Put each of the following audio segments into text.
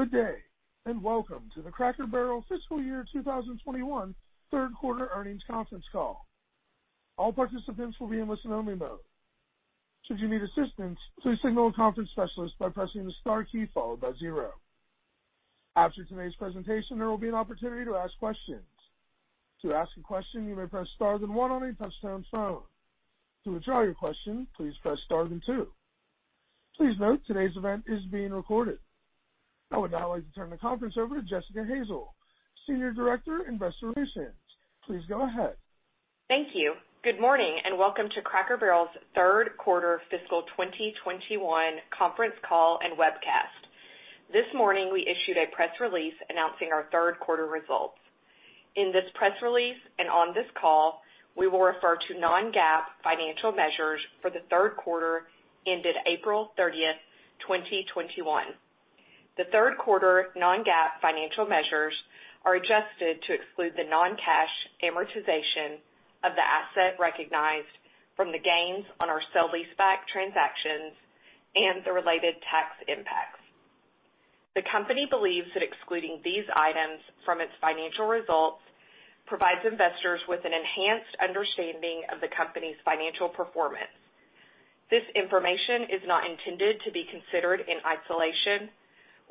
Good day, and welcome to the Cracker Barrel fiscal year 2021 Q3 earnings conference call. All participants will be in listen-only mode. Should you need assistance, please signal a conference specialist by pressing the star key followed by zero. After today's presentation, there will be an opportunity to ask questions. To ask a question, you may press star then one on your touch-tone phone. To withdraw your question, please press star then two. Please note, today's event is being recorded. I would now like to turn the conference over to Jessica Hazel, Senior Director, Investor Relations. Please go ahead. Thank you. Good morning, and welcome to Cracker Barrel's Q3 fiscal 2021 conference call and webcast. This morning, we issued a press release announcing our Q3 results. In this press release and on this call, we will refer to non-GAAP financial measures for Q3 ended April 30th, 2021. The Q3 non-GAAP financial measures are adjusted to exclude the non-cash amortization of the asset recognized from the gains on our sale-leaseback transactions and the related tax impacts. The company believes that excluding these items from its financial results provides investors with an enhanced understanding of the company's financial performance. This information is not intended to be considered in isolation or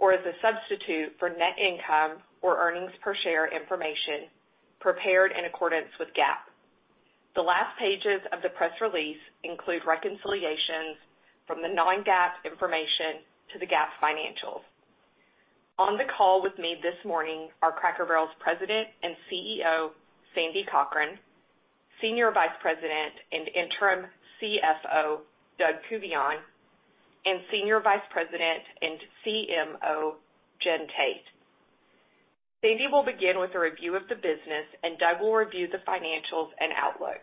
as a substitute for net income or earnings per share information prepared in accordance with GAAP. The last pages of the press release include reconciliations from the non-GAAP information to the GAAP financials. On the call with me this morning are Cracker Barrel's President and CEO, Sandra BCochran, Senior Vice President and Interim CFO, Doug Couvillion, and Senior Vice President and CMO, Jen Tate. Sandy will begin with a review of the business. Doug will review the financials and outlook.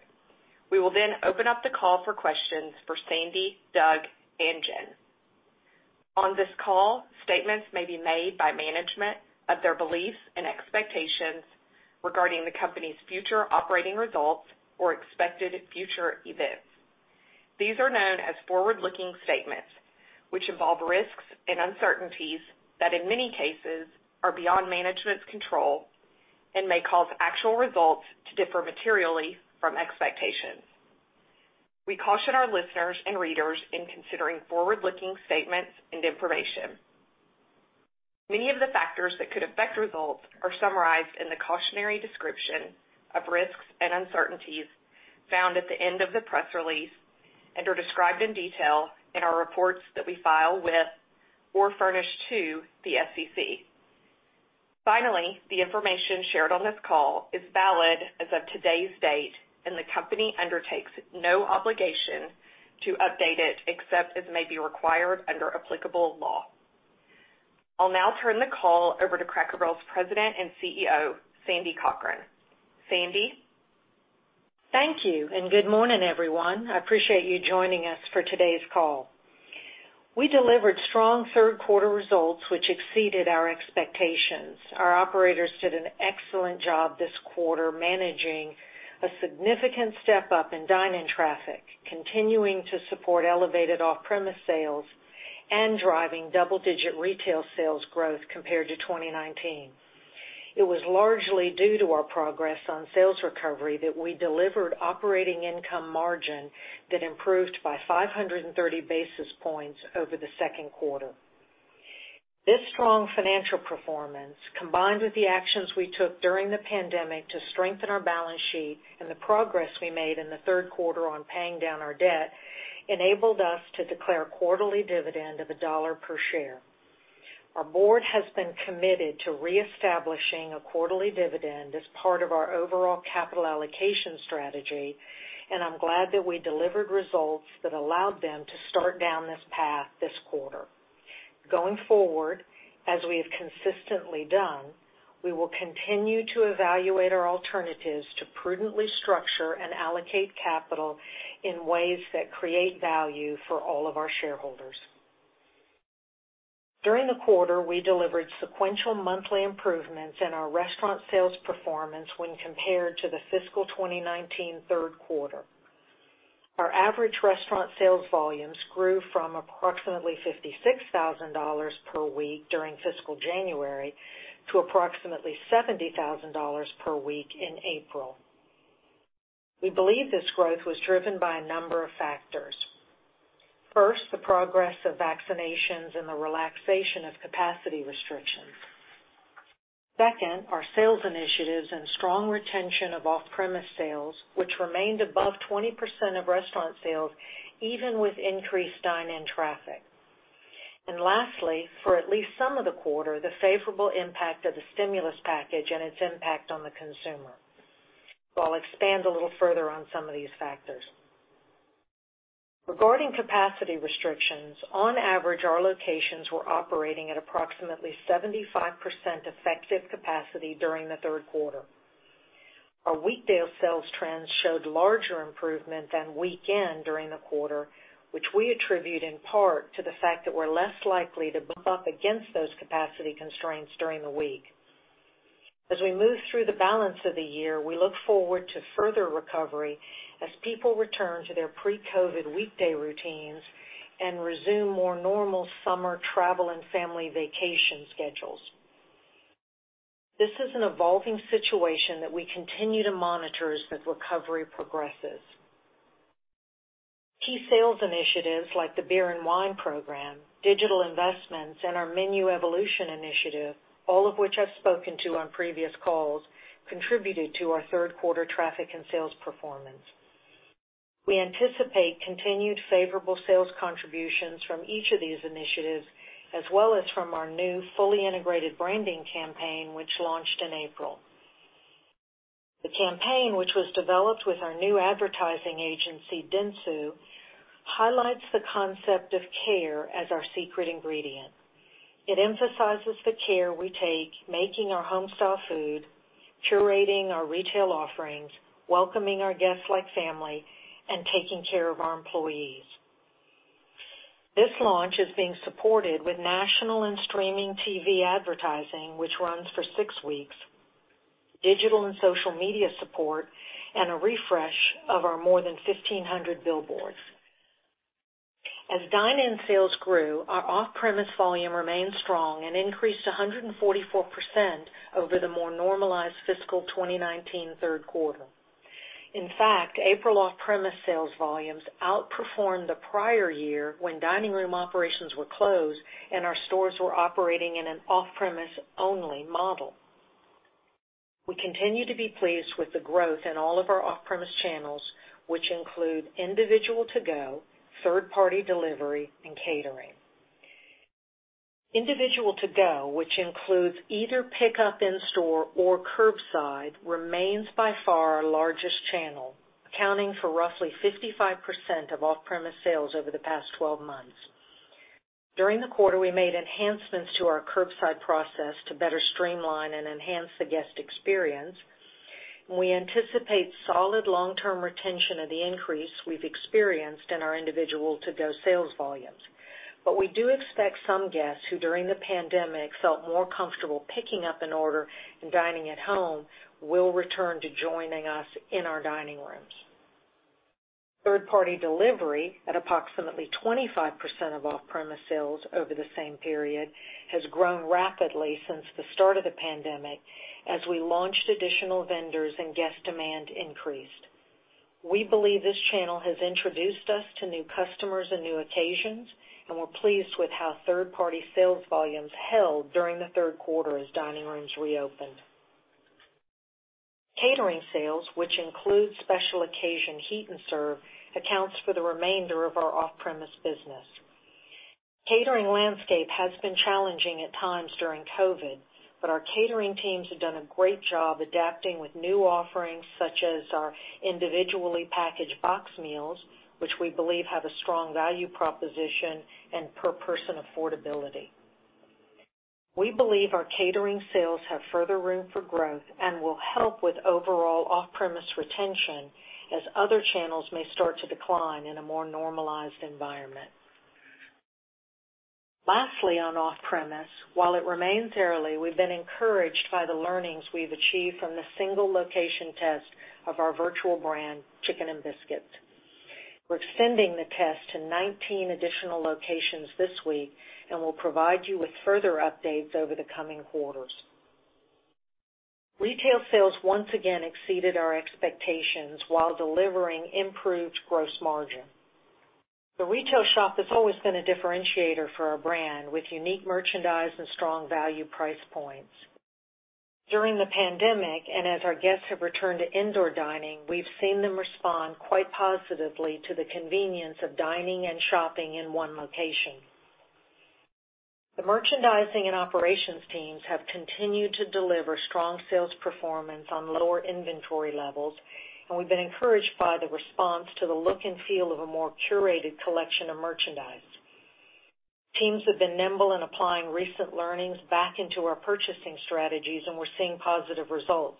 We will then open up the call for questions for Sandra, Doug, and Jen. On this call, statements may be made by management of their beliefs and expectations regarding the company's future operating results or expected future events. These are known as forward-looking statements, which involve risks and uncertainties that, in many cases, are beyond management's control and may cause actual results to differ materially from expectations. We caution our listeners and readers in considering forward-looking statements and information. Many of the factors that could affect results are summarized in the cautionary description of risks and uncertainties found at the end of the press release and are described in detail in our reports that we file with or furnish to the SEC. Finally, the information shared on this call is valid as of today's date, the company undertakes no obligation to update it except as may be required under applicable law. I'll now turn the call over to Cracker Barrel's President and CEO, Sandy Cochran. Sandra? Thank you, and good morning, everyone. I appreciate you joining us for today's call. We delivered strong Q3 results, which exceeded our expectations. Our operators did an excellent job this quarter managing a significant step-up in dine-in traffic, continuing to support elevated off-premise sales and driving double-digit retail sales growth compared to 2019. It was largely due to our progress on sales recovery that we delivered operating income margin that improved by 530 basis points over the second quarter. This strong financial performance, combined with the actions we took during the pandemic to strengthen our balance sheet and the progress we made in the third quarter on paying down our debt, enabled us to declare a quarterly dividend of $1 per share. Our board has been committed to reestablishing a quarterly dividend as part of our overall capital allocation strategy, and I am glad that we delivered results that allowed them to start down this path this quarter. Going forward, as we have consistently done, we will continue to evaluate our alternatives to prudently structure and allocate capital in ways that create value for all of our shareholders. During the quarter, we delivered sequential monthly improvements in our restaurant sales performance when compared to the fiscal 2019 Q3. Our average restaurant sales volumes grew from approximately $56,000 per week during fiscal January to approximately $70,000 per week in April. We believe this growth was driven by a number of factors. First, the progress of vaccinations and the relaxation of capacity restrictions. Second, our sales initiatives and strong retention of off-premise sales, which remained above 20% of restaurant sales even with increased dine-in traffic. Lastly, for at least some of the quarter, the favorable impact of the stimulus package and its impact on the consumer. I'll expand a little further on some of these factors. Regarding capacity restrictions, on average, our locations were operating at approximately 75% effective capacity during the third quarter. Our weekday sales trends showed larger improvement than weekend during the quarter, which we attribute in part to the fact that we're less likely to bump up against those capacity constraints during the week. As we move through the balance of the year, we look forward to further recovery as people return to their pre-COVID weekday routines and resume more normal summer travel and family vacation schedules. This is an evolving situation that we continue to monitor as the recovery progresses. Key sales initiatives like the beer and wine program, digital investments, and our Menu Evolution initiative, all of which I've spoken to on previous calls, contributed to our third quarter traffic and sales performance. We anticipate continued favorable sales contributions from each of these initiatives, as well as from our new fully integrated branding campaign, which launched in April. The campaign, which was developed with our new advertising agency, Dentsu, highlights the concept of care as our secret ingredient. It emphasizes the care we take making our homestyle food, curating our retail offerings, welcoming our guests like family, and taking care of our employees. This launch is being supported with national and streaming TV advertising, which runs for six weeks, digital and social media support, and a refresh of our more than 1,500 billboards. As dine-in sales grew, our off-premise volume remained strong and increased 144% over the more normalized fiscal 2019 Q3. In fact, April off-premise sales volumes outperformed the prior year when dining room operations were closed and our stores were operating in an off-premise only model. We continue to be pleased with the growth in all of our off-premise channels, which include individual to-go, third-party delivery, and catering. Individual to-go, which includes either pickup in-store or curbside, remains by far our largest channel, accounting for roughly 55% of off-premise sales over the past 12 months. During the quarter, we made enhancements to our curbside process to better streamline and enhance the guest experience, and we anticipate solid long-term retention of the increase we've experienced in our individual to-go sales volumes. We do expect some guests who, during the pandemic, felt more comfortable picking up an order and dining at home will return to joining us in our dining rooms. Third-party delivery, at approximately 25% of off-premise sales over the same period, has grown rapidly since the start of the pandemic as we launched additional vendors and guest demand increased. We believe this channel has introduced us to new customers and new occasions, we're pleased with how third-party sales volumes held during Q3 as dining rooms reopened. Catering sales, which includes special occasion heat and serve, accounts for the remainder of our off-premise business. Catering landscape has been challenging at times during COVID, our catering teams have done a great job adapting with new offerings such as our individually packaged box meals, which we believe have a strong value proposition and per person affordability. We believe our catering sales have further room for growth and will help with overall off-premise retention as other channels may start to decline in a more normalized environment. Lastly, on off-premise, while it remains early, we've been encouraged by the learnings we've achieved from the single location test of our virtual brand, Chicken 'n Biscuits. We're extending the test to 19 additional locations this week and will provide you with further updates over the coming quarters. Retail sales once again exceeded our expectations while delivering improved gross margin. The retail shop has always been a differentiator for our brand, with unique merchandise and strong value price points. During the pandemic, and as our guests have returned to indoor dining, we've seen them respond quite positively to the convenience of dining and shopping in one location. The merchandising and operations teams have continued to deliver strong sales performance on lower inventory levels, and we've been encouraged by the response to the look and feel of a more curated collection of merchandise. Teams have been nimble in applying recent learnings back into our purchasing strategies, and we're seeing positive results.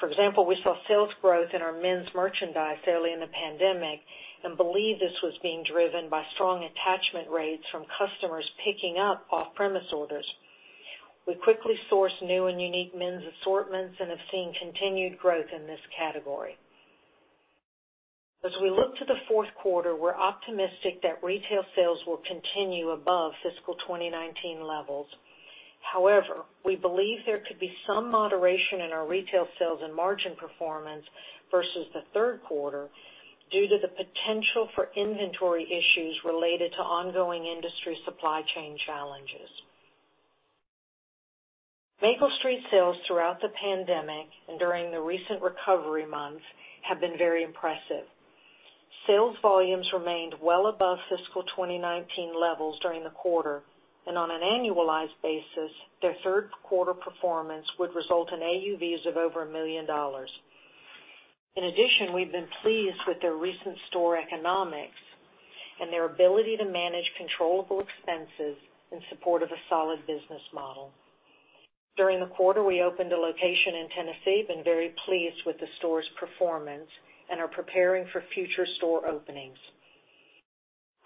For example, we saw sales growth in our men's merchandise early in the pandemic and believe this was being driven by strong attachment rates from customers picking up off-premise orders. We quickly sourced new and unique men's assortments and have seen continued growth in this category. As we look to Q4, we're optimistic that retail sales will continue above fiscal 2019 levels. However, we believe there could be some moderation in our retail sales and margin performance versus Q3 due to the potential for inventory issues related to ongoing industry supply chain challenges. Maple Street sales throughout the pandemic and during the recent recovery months have been very impressive. Sales volumes remained well above fiscal 2019 levels during the quarter, and on an annualized basis, their Q3 performance would result in AUVs of over $1 million. In addition, we've been pleased with their recent store economics and their ability to manage controllable expenses in support of a solid business model. During the quarter, we opened a location in Tennessee and been very pleased with the store's performance and are preparing for future store openings.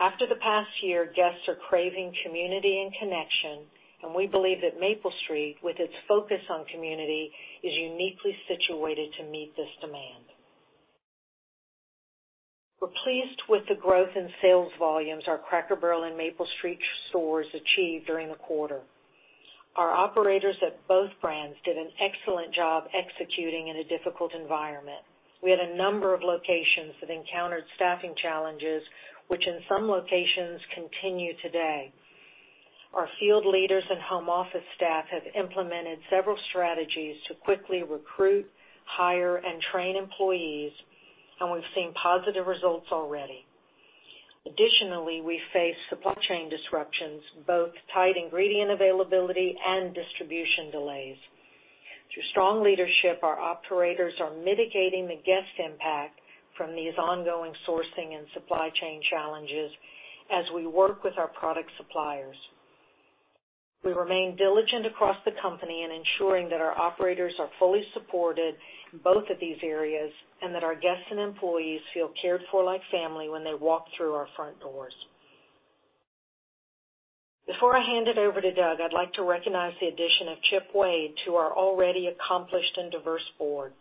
After the past year, guests are craving community and connection, and we believe that Maple Street, with its focus on community, is uniquely situated to meet this demand. We're pleased with the growth in sales volumes our Cracker Barrel and Maple Street stores achieved during the quarter. Our operators at both brands did an excellent job executing in a difficult environment. We had a number of locations that encountered staffing challenges, which in some locations continue today. Our field leaders and home office staff have implemented several strategies to quickly recruit, hire, and train employees, and we've seen positive results already. Additionally, we face supply chain disruptions, both tight ingredient availability and distribution delays. Through strong leadership, our operators are mitigating the guest impact from these ongoing sourcing and supply chain challenges as we work with our product suppliers. We remain diligent across the company in ensuring that our operators are fully supported in both of these areas, and that our guests and employees feel cared for like family when they walk through our front doors. Before I hand it over to Doug, I'd like to recognize the addition of Chip Wade to our already accomplished and diverse board.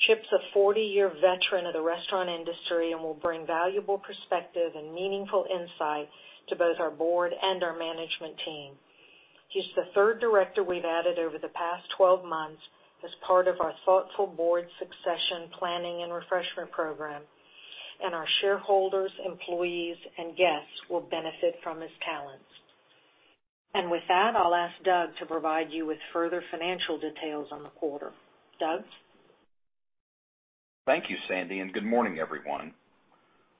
Chip's a 40-year veteran of the restaurant industry and will bring valuable perspective and meaningful insights to both our board and our management team. He's the third director we've added over the past 12 months as part of our thoughtful board succession planning and refreshment program, and our shareholders, employees, and guests will benefit from his talents. With that, I'll ask Doug to provide you with further financial details on the quarter. Doug? Thank you, Sandy, and good morning, everyone.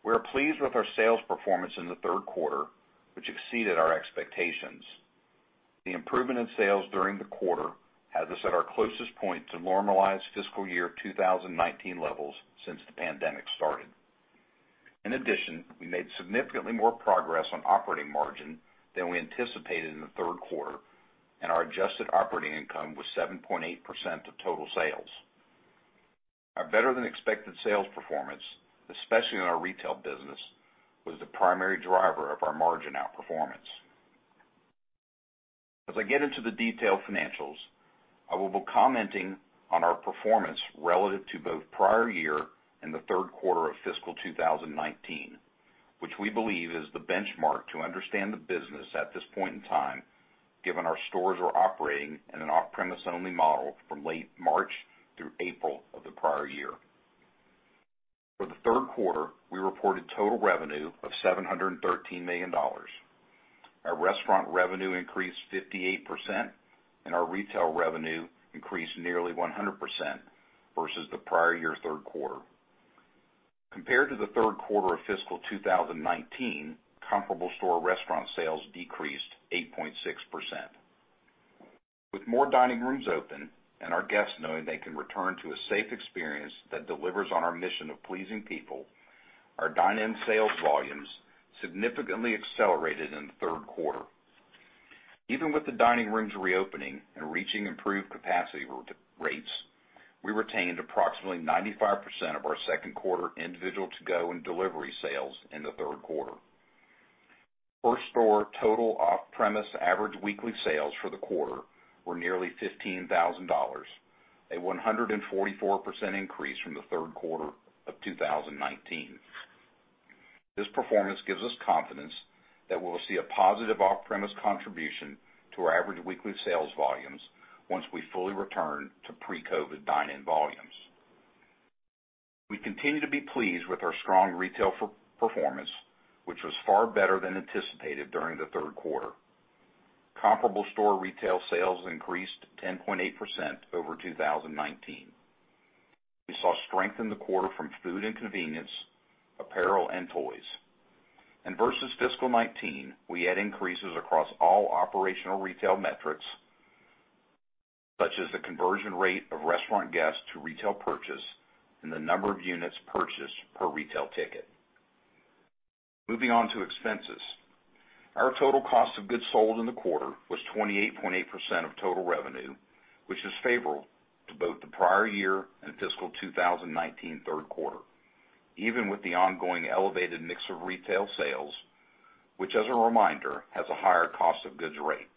We are pleased with our sales performance in Q3, which exceeded our expectations. The improvement in sales during the quarter had us at our closest point to normalized fiscal year 2019 levels since the pandemic started. In addition, we made significantly more progress on operating margin than we anticipated in Q3, and our adjusted operating income was 7.8% of total sales. Our better-than-expected sales performance, especially in our retail business, was the primary driver of our margin outperformance. As I get into the detailed financials, I will be commenting on our performance relative to both prior year and Q3 of fiscal 2019, which we believe is the benchmark to understand the business at this point in time, given our stores were operating in an off-premise only model from late March through April of the prior year. For Q3, we reported total revenue of $713 million. Our restaurant revenue increased 58%, and our retail revenue increased nearly 100% versus the prior year Q3. Compared to the Q3 of fiscal 2019, comparable store restaurant sales decreased 8.6%. With more dining rooms open and our guests knowing they can return to a safe experience that delivers on our mission of pleasing people, our dine-in sales volumes significantly accelerated in the third quarter. Even with the dining rooms reopening and reaching improved capacity rates, we retained approximately 95% of our Q2 individual to-go and delivery sales in Q3. Per store total off-premise average weekly sales for the quarter were nearly $15,000, a 144% increase from Q3 of 2019. This performance gives us confidence that we'll see a positive off-premise contribution to our average weekly sales volumes once we fully return to pre-COVID dine-in volumes. We continue to be pleased with our strong retail performance, which was far better than anticipated during Q3. Comparable store retail sales increased 10.8% over 2019. We saw strength in the quarter from food and convenience, apparel, and toys. Versus fiscal 2019, we had increases across all operational retail metrics, such as the conversion rate of restaurant guests to retail purchase and the number of units purchased per retail ticket. Moving on to expenses. Our total cost of goods sold in the quarter was 28.8% of total revenue, which was favorable to both the prior year and fiscal 2019 Q3, even with the ongoing elevated mix of retail sales, which as a reminder, has a higher cost of goods rate.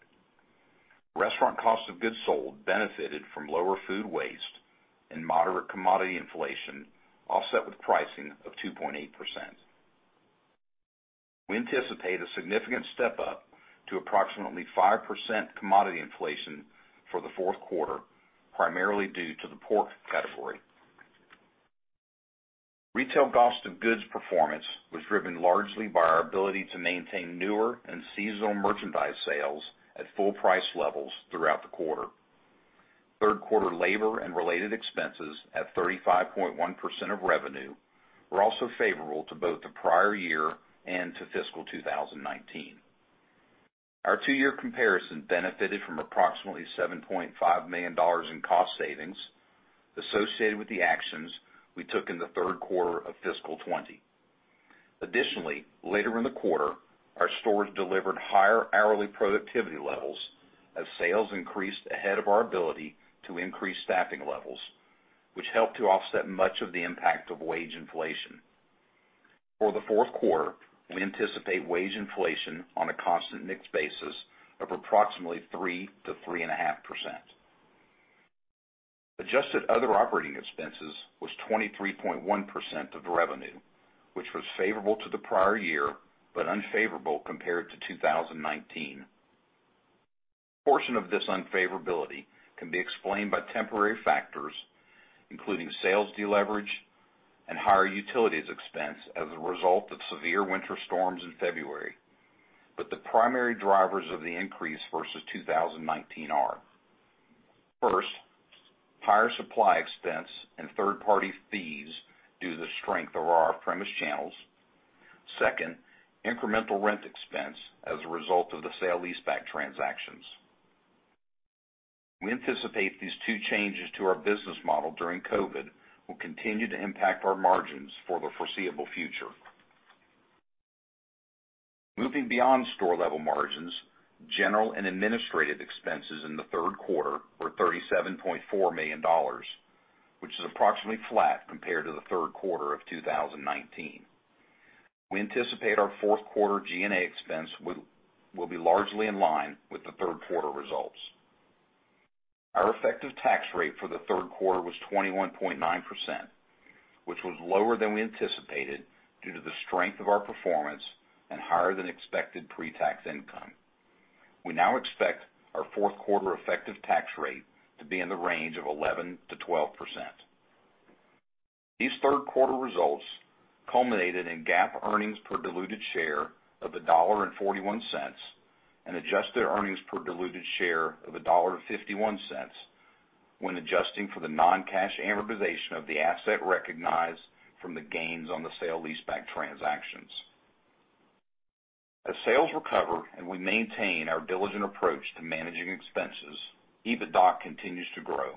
Restaurant cost of goods sold benefited from lower food waste and moderate commodity inflation, offset with pricing of 2.8%. We anticipate a significant step-up to approximately 5% commodity inflation for Q4, primarily due to the pork category. Retail cost of goods performance was driven largely by our ability to maintain newer and seasonal merchandise sales at full price levels throughout the quarter. Q3 labor and related expenses at 35.1% of revenue were also favorable to both the prior year and to fiscal 2019. Our two-year comparison benefited from approximately $7.5 million in cost savings associated with the actions we took in Q3 of fiscal 2020. Additionally, later in the quarter, our stores delivered higher hourly productivity levels as sales increased ahead of our ability to increase staffing levels, which help to offset much of the impact of wage inflation. For Q4, we anticipate wage inflation on a constant mix basis of approximately 3% - 3.5%. Adjusted other operating expenses was 23.1% of the revenue, which was favorable to the prior year, but unfavorable compared to 2019. A portion of this unfavorability can be explained by temporary factors, including sales de-leverage and higher utilities expense as a result of severe winter storms in February. The primary drivers of the increase versus 2019 are, first, higher supply expense and third-party fees due to the strength of our off-premise channels. Second, incremental rent expense as a result of the sale-leaseback transactions. We anticipate these two changes to our business model during COVID will continue to impact our margins for the foreseeable future. Moving beyond store-level margins, general and administrative expenses in the third quarter were $37.4 million, which is approximately flat compared to Q3 of 2019. We anticipate our fourth quarter G&A expense will be largely in line with Q3 results. Our effective tax rate for Q3 was 21.9%, which was lower than we anticipated due to the strength of our performance and higher than expected pre-tax income. We now expect our Q4 effective tax rate to be in the range of 11%-12%. These Q3 results culminated in GAAP earnings per diluted share of $1.41 and adjusted earnings per diluted share of $1.51 when adjusting for the non-cash amortization of the asset recognized from the gains on the sale-leaseback transactions. As sales recover and we maintain our diligent approach to managing expenses, EBITDA continues to grow.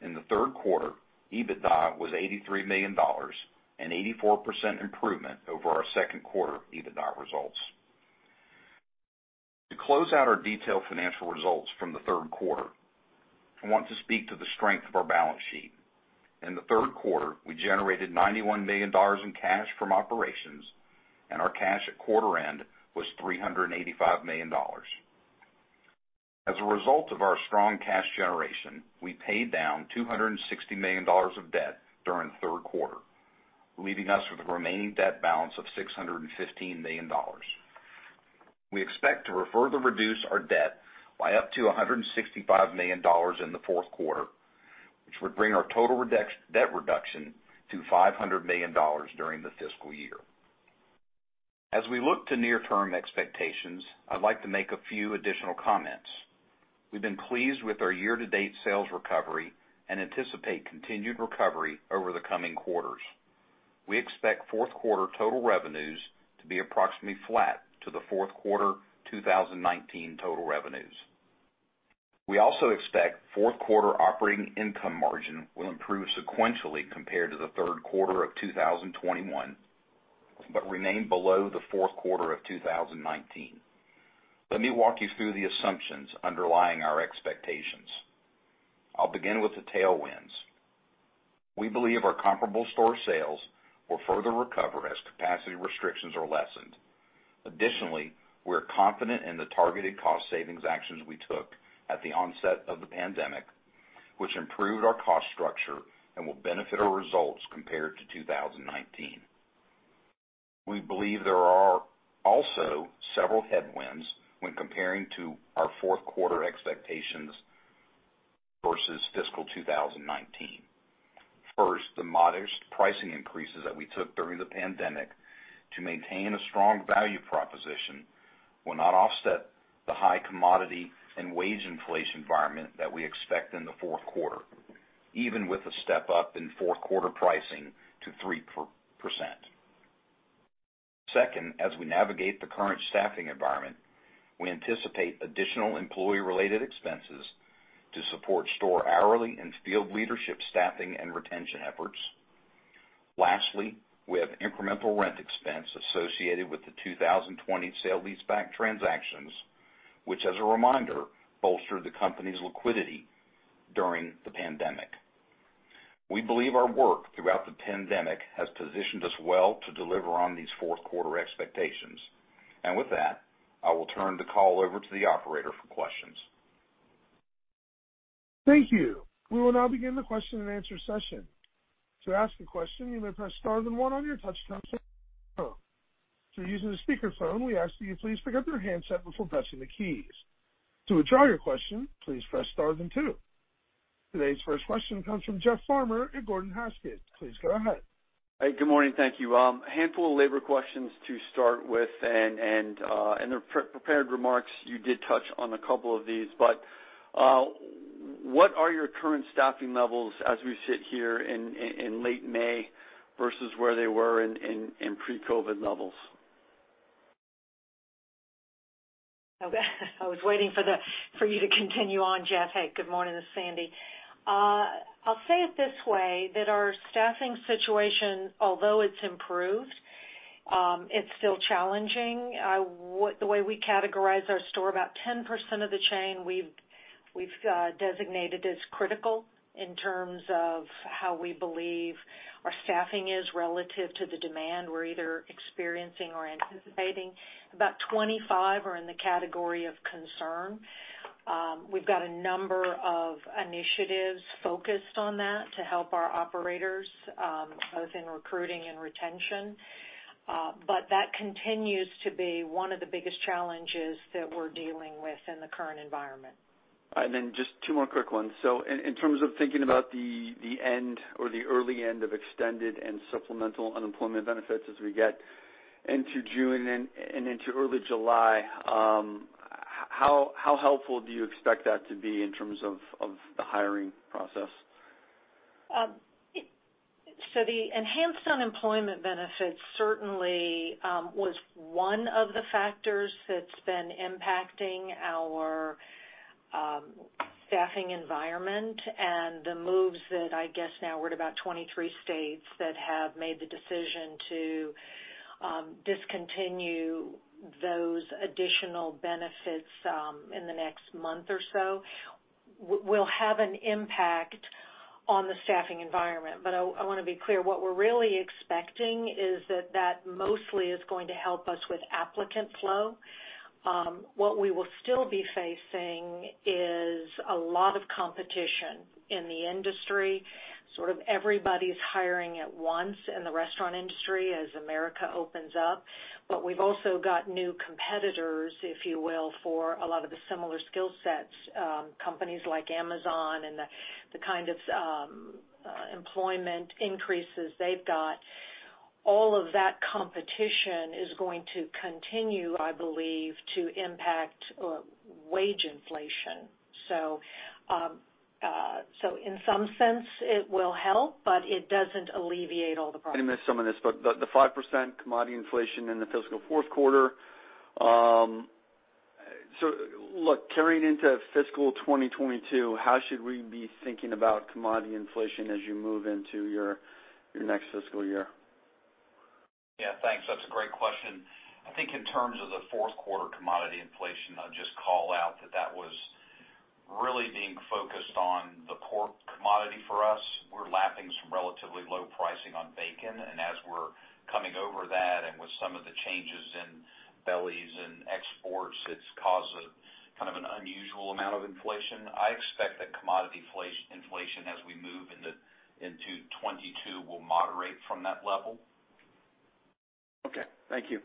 In Q3, EBITDA was $83 million, an 84% improvement over our Q2 EBITDA results. To close out our detailed financial results from Q3, I want to speak to the strength of our balance sheet. In Q3, we generated $91 million in cash from operations, and our cash at quarter end was $385 million. As a result of our strong cash generation, we paid down $260 million of debt during Q3, leaving us with a remaining debt balance of $615 million. We expect to further reduce our debt by up to $165 million in Q4, which would bring our total debt reduction to $500 million during the fiscal year. As we look to near-term expectations, I'd like to make a few additional comments. We've been pleased with our year-to-date sales recovery and anticipate continued recovery over the coming quarters. We expect Q4 total revenues to be approximately flat to Q4 2019 total revenues. We also expect Q4 operating income margin will improve sequentially compared to Q3 of 2021, but remain below Q4 of 2019. Let me walk you through the assumptions underlying our expectations. I'll begin with the tailwinds. We believe our comparable store sales will further recover as capacity restrictions are lessened. Additionally, we are confident in the targeted cost savings actions we took at the onset of the pandemic, which improved our cost structure and will benefit our results compared to 2019. We believe there are also several headwinds when comparing to our Q4 expectations versus fiscal 2019. First, the modest pricing increases that we took during the pandemic to maintain a strong value proposition will not offset the high commodity and wage inflation environment that we expect in Q4, even with a step-up in Q4 pricing to 3%. Second, as we navigate the current staffing environment, we anticipate additional employee-related expenses to support store hourly and field leadership staffing and retention efforts. Lastly, we have incremental rent expense associated with the 2020 sale-leaseback transactions, which as a reminder, bolstered the company's liquidity during the pandemic. We believe our work throughout the pandemic has positioned us well to deliver on these fourth quarter expectations. With that, I will turn the call over to the operator for questions. Thank you. We will now begin the question-and answer-session. Today's first question comes from Jeff Farmer at Gordon Haskett. Please go ahead. Good morning, thank you. A handful of labor questions to start with, and in the prepared remarks, you did touch on a couple of these, but what are your current staffing levels as we sit here in late May versus where they were in pre-COVID levels? I was waiting for you to continue on, Jeff. Hey, good morning. This is Sandy. I'll say it this way, that our staffing situation, although it's improved It's still challenging. The way we categorize our store, about 10% of the chain we've designated as critical in terms of how we believe our staffing is relative to the demand we're either experiencing or anticipating. About 25 are in the category of concern. We've got a number of initiatives focused on that to help our operators as in recruiting and retention. But that continues to be one of the biggest challenges that we're dealing with in the current environment. Just two more quick ones. In terms of thinking about the end or the early end of extended and supplemental unemployment benefits as we get into June and into early July, how helpful do you expect that to be in terms of the hiring process? The enhanced unemployment benefits certainly was one of the factors that's been impacting our staffing environment and the moves that, I guess now we're at about 23 states that have made the decision to discontinue those additional benefits in the next month or so, will have an impact on the staffing environment. I want to be clear, what we're really expecting is that mostly is going to help us with applicant flow. What we will still be facing is a lot of competition in the industry, sort of everybody's hiring at once in the restaurant industry as America opens up. We've also got new competitors, if you will, for a lot of the similar skill sets. Companies like Amazon and the kind of employment increases they've got. All of that competition is going to continue, I believe, to impact wage inflation. In some sense, it will help, but it doesn't alleviate all the problems. You may have missed some of this, the 5% commodity inflation in the fiscal fourth quarter. Look, carrying into fiscal 2022, how should we be thinking about commodity inflation as you move into your next fiscal year? Yeah, thanks. That's a great question. I think in terms of the fourth quarter commodity inflation, I'd just call out that was really being focused on the pork commodity for us. We're lapping some relatively low pricing on bacon, and as we're coming over that and with some of the changes in bellies and exports, it's caused a kind of an unusual amount of inflation. I expect that commodity inflation as we move into 2022 will moderate from that level. Okay. Thank you.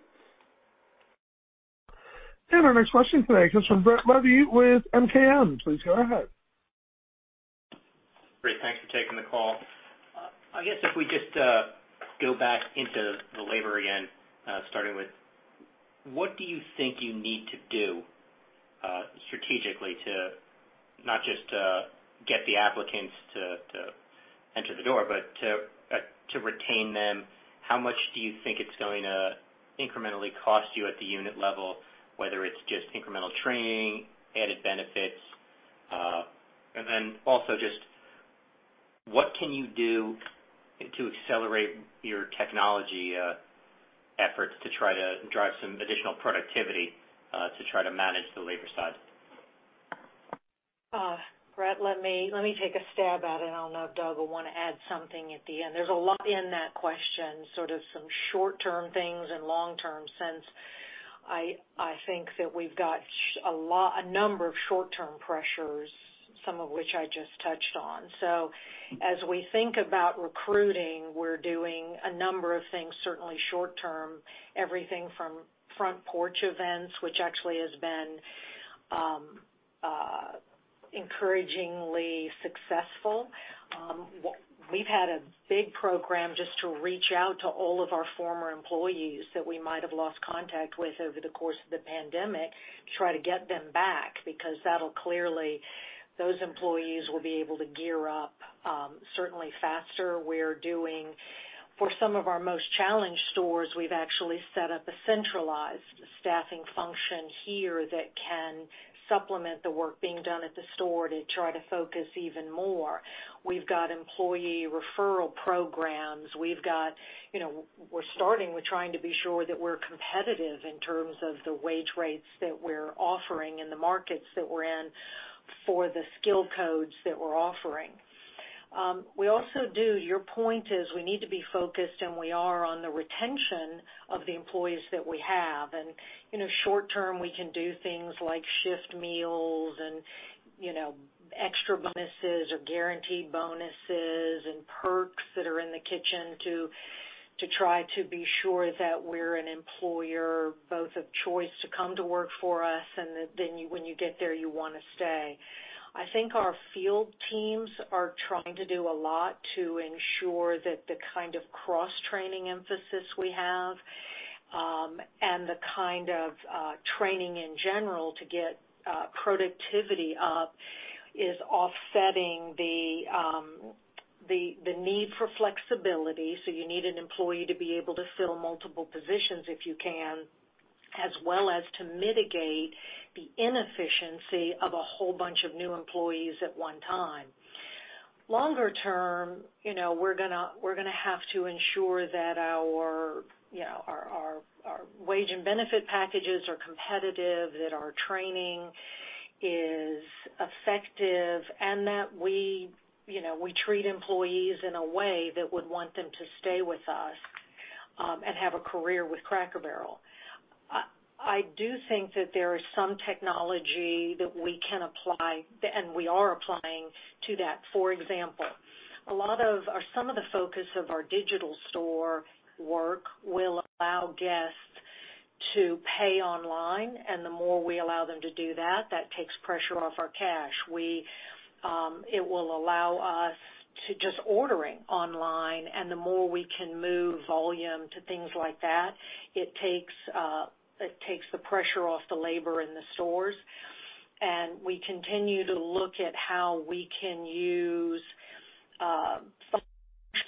Our next question today comes from Brett Levy with MKM. Please go ahead. Great. Thanks for taking the call. I guess if we just go back into the labor again, starting with what do you think you need to do strategically to not just get the applicants to enter the door, but to retain them? How much do you think it's going to incrementally cost you at the unit level, whether it's just incremental training, added benefits? Also just what can you do to accelerate your technology efforts to try to drive some additional productivity to try to manage the labor side? Brett, let me take a stab at it, and Doug will want to add something at the end. There's a lot in that question, so does some short-term things and long-term sense. I think that we've got a number of short-term pressures, some of which I just touched on. As we think about recruiting, we're doing a number of things, certainly short term, everything from front porch events, which actually has been encouragingly successful. We've had a big program just to reach out to all of our former employees that we might have lost contact with over the course of the pandemic to try to get them back, because those employees will be able to gear up certainly faster. We're doing for some of our most challenged stores, we've actually set up a centralized staffing function here that can supplement the work being done at the store to try to focus even more. We've got employee referral programs. We're starting with trying to be sure that we're competitive in terms of the wage rates that we're offering in the markets that we're in for the skill codes that we're offering. We also do, your point is we need to be focused, and we are on the retention of the employees that we have. In the short term, we can do things like shift meals and extra bonuses or guaranteed bonuses and perks that are in the kitchen to try to be sure that we're an employer, both of choice to come to work for us and that then when you get there, you want to stay. I think our field teams are trying to do a lot to ensure that the kind of cross-training emphasis we have, and the kind of training in general to get productivity up is offsetting the need for flexibility. You need an employee to be able to fill multiple positions if you can, as well as to mitigate the inefficiency of a whole bunch of new employees at one time. Longer term, we're going to have to ensure that our wage and benefit packages are competitive, that our training is effective, and that we treat employees in a way that would want them to stay with us and have a career with Cracker Barrel. I do think that there is some technology that we can apply, and we are applying to that. For example, some of the focus of our digital store work will allow guests to pay online, and the more we allow them to do that takes pressure off our cash. It will allow us to just order it online, and the more we can move volume to things like that, it takes the pressure off the labor in the stores. We continue to look at how we can use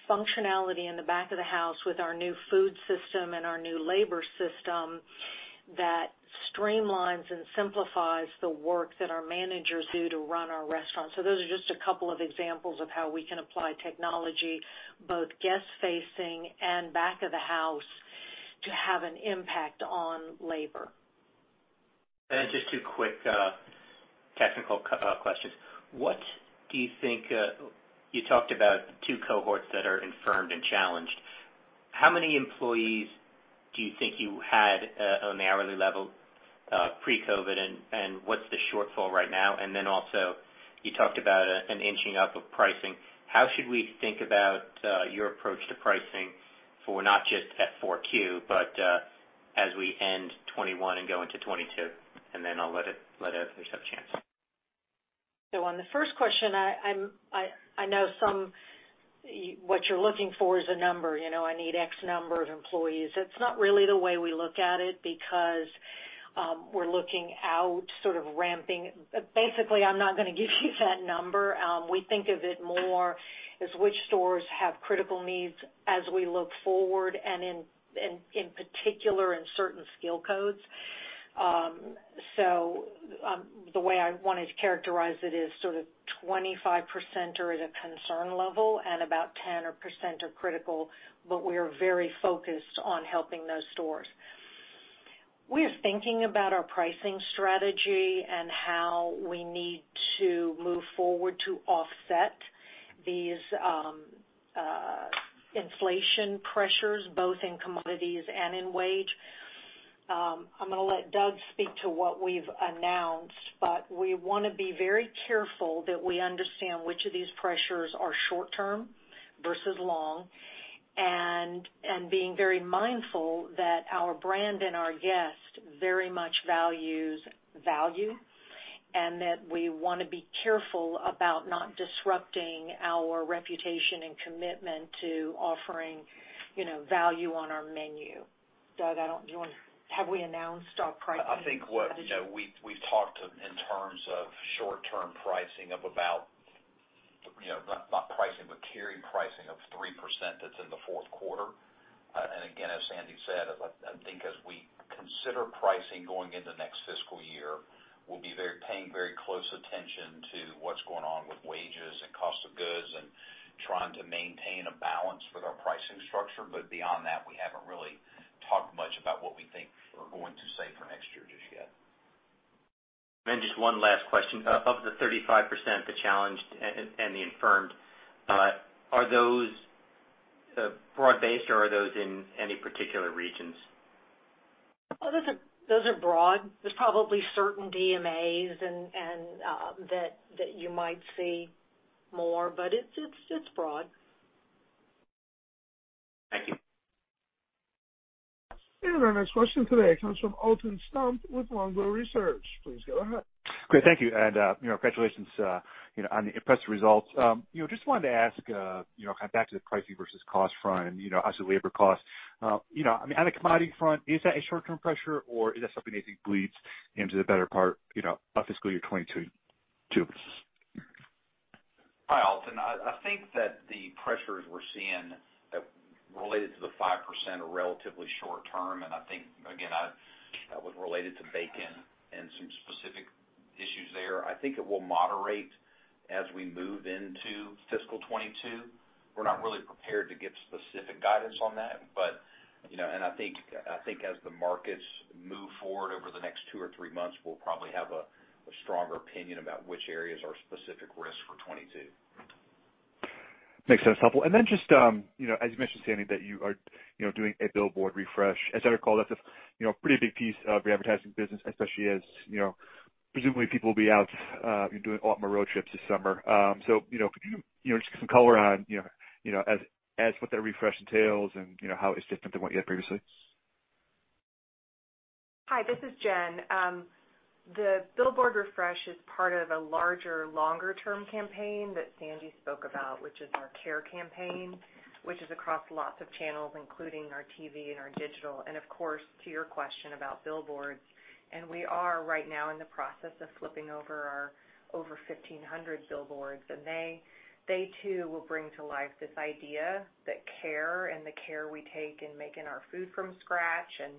functionality in the back of the house with our new food system and our new labor system that streamlines and simplifies the work that our managers do to run our restaurant. Those are just a couple of examples of how we can apply technology, both guest facing and back of the house, to have an impact on labor. Just two quick technical questions. You talked about two cohorts that are infirmed and challenged. How many employees do you think you had on the hourly level pre-COVID, and what's the shortfall right now? Also, you talked about an inching up of pricing. How should we think about your approach to pricing for not just F4Q, but as we end 2021 and go into 2022? Then I'll let Ashley have a chance. On the first question, I know what you're looking for is a number. I need X number of employees. That's not really the way we look at it because we're looking out sort of ramping. Basically, I'm not going to give you that number. We think of it more as which stores have critical needs as we look forward, and in particular, in certain skill codes. The way I'd want to characterize it is sort of 25% are at a concern level and about 10% are critical, but we are very focused on helping those stores. We are thinking about our pricing strategy and how we need to move forward to offset these inflation pressures, both in commodities and in wage. I'm going to let Doug speak to what we've announced, but we want to be very careful that we understand which of these pressures are short term versus long, and being very mindful that our brand and our guest very much values value, and that we want to be careful about not disrupting our reputation and commitment to offering value on our menu. Doug, have we announced our pricing? I think what we talked in terms of short-term pricing of about, not pricing, but carry pricing of 3% that's in the fourth quarter. Again, as Sandy said, I think as we consider pricing going into next fiscal year, we'll be paying very close attention to what's going on with wages and cost of goods and trying to maintain a balance with our pricing structure. Beyond that, we haven't really talked much about what we think we're going to say for next year just yet. Just one last question. Of the 35%, the challenged and the infirmed, are those broad based or are those in any particular regions? Those are broad. There's probably certain DMAs and that you might see more, but it's broad. Thank you. Our next question today comes from Alton Stump with Longbow Research. Please go ahead. Great. Thank you. Congratulations on the impressive results. Just wanted to ask, back to the pricing versus cost front, obviously labor cost. On the commodity front, is that a short term pressure, or is that something that you believe into the better part of fiscal year 2022? Hi, Alton. I think that the pressures we're seeing related to the 5% are relatively short term. I think, again, that was related to bacon and some specific issues there. I think it will moderate as we move into fiscal 2022. We're not really prepared to give specific guidance on that. I think as the markets move forward over the next two or three months, we'll probably have a stronger opinion about which areas are specific risk for 2022. Makes sense. Helpful. Just as you mentioned, Sandy, that you are doing a billboard refresh. As I recall, that's a pretty big piece of your advertising business, especially as presumably people will be out and doing a lot more road trips this summer. Could you just give some color on what that refresh entails and how it's different from what you had previously? Hi, this is Jen. The billboard refresh is part of the larger, longer term campaign that Sandy spoke about, which is our Care campaign, which is across lots of channels, including our TV and our digital, and of course, to your question about billboards. We are right now in the process of flipping over 1,500 billboards, and they too will bring to life this idea that care and the care we take in making our food from scratch and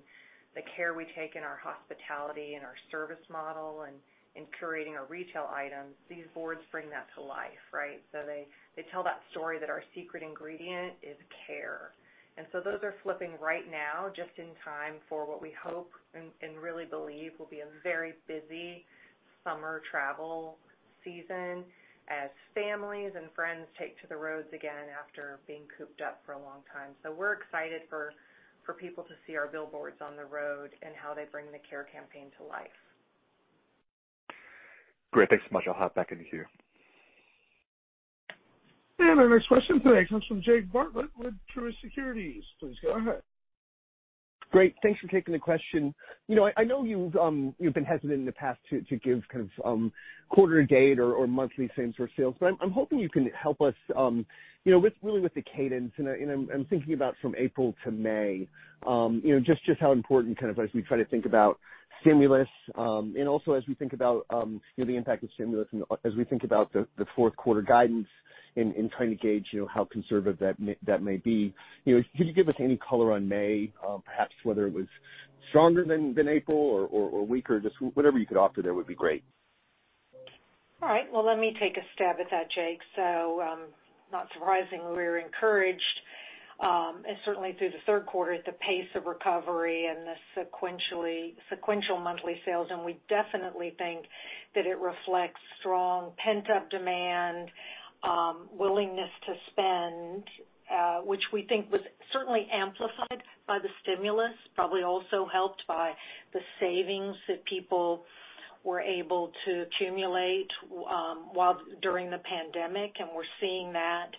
the care we take in our hospitality and our service model and in curating a retail item, these boards bring that to life, right? They tell that story that our secret ingredient is care. Those are flipping right now just in time for what we hope and really believe will be a very busy summer travel season as families and friends take to the roads again after being cooped up for a long time. We're excited for people to see our billboards on the road and how they bring the care campaign to life. Great. Thanks so much. I'll hop back in the queue. Our next question today comes from Jake Bartlett with Truist Securities. Please go ahead. Great. Thanks for taking the question. I know you've been hesitant in the past to give kind of quarter date or monthly frames for sales, but I'm hoping you can help us, really with the cadence. I'm thinking about from April to May, just how important kind of as we try to think about stimulus, and also as we think about the impact of stimulus and as we think about the fourth quarter guidance and trying to gauge how conservative that may be. Could you give us any color on May, perhaps whether it was stronger than April or weaker? Just whatever you could offer there would be great. Not surprisingly, we were encouraged, and certainly through the third quarter, at the pace of recovery and the sequential monthly sales, and we definitely think that it reflects strong pent-up demand, willingness to spend, which we think was certainly amplified by the stimulus, but we're also helped by the savings that people were able to accumulate during the pandemic, and we're seeing that.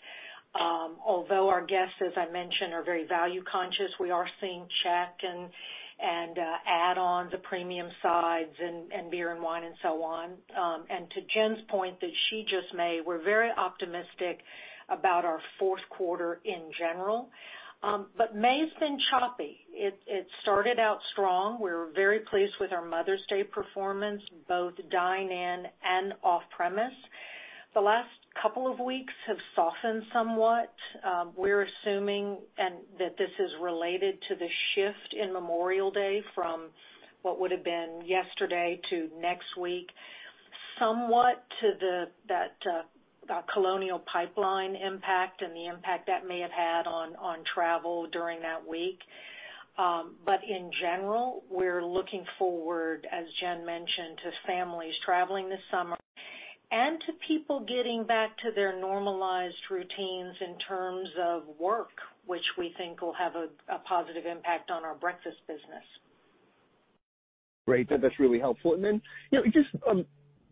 Although our guests, as I mentioned, are very value conscious, we are seeing check and add-ons of premium sides and beer and wine and so on. To Jen's point that she just made, we're very optimistic about our fourth quarter in general. May's been choppy. It started out strong. We were very pleased with our Mother's Day performance, both dine-in and off-premise. The last couple of weeks have softened somewhat. We're assuming that this is related to the shift in Memorial Day from what would have been yesterday to next week, somewhat to that Colonial Pipeline impact and the impact that may have had on travel during that week. In general, we're looking forward, as Jen mentioned, to families traveling this summer and to people getting back to their normalized routines in terms of work, which we think will have a positive impact on our breakfast business. Great. That's really helpful. Just